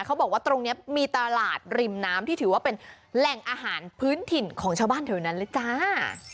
เขาบอกว่าตรงนี้มีตลาดริมน้ำที่ถือว่าเป็นแหล่งอาหารพื้นถิ่นของชาวบ้านแถวนั้นเลยจ้า